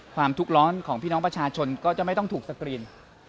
ทุกร้อนของพี่น้องประชาชนก็จะไม่ต้องถูกสกรีน